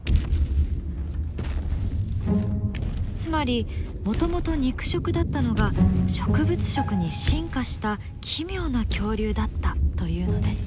つまりもともと肉食だったのが植物食に進化した奇妙な恐竜だったというのです。